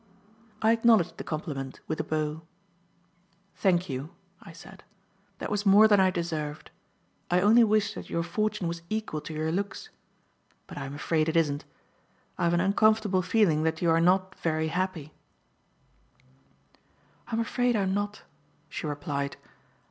I acknowledged the compliment, with a bow. "Thank you." I said. "That was more than I deserved. I only wish that your fortune was equal to your looks, but I am afraid it isn't. I have an uncomfortable feeling that you are not very happy." "I'm afraid I'm not," she replied.